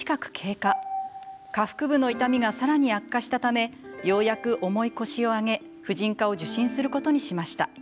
下腹部の痛みがさらに悪化したためようやく重い腰を上げ婦人科を受診することにしました。